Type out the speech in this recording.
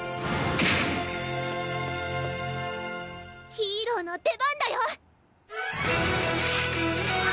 ヒーローの出番だよ！